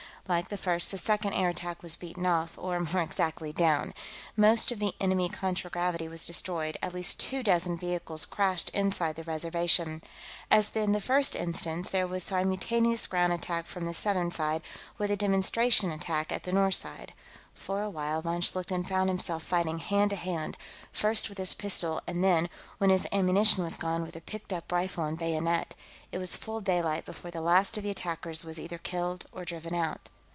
Like the first, the second air attack was beaten off, or, more exactly, down. Most of the enemy contragravity was destroyed; at least two dozen vehicles crashed inside the Reservation. As in the first instance, there was a simultaneous ground attack from the southern side, with a demonstration attack at the north end. For a while, von Schlichten found himself fighting hand to hand, first with his pistol and then, when his ammunition was gone, with a picked up rifle and bayonet. It was full daylight before the last of the attackers was either killed or driven out.